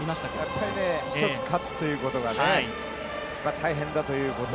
やっぱり１つ勝つということが大変だということ。